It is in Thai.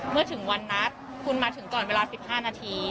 เมื่อถึงวันนัดคุณมาถึงก่อนเวลา๑๕นาที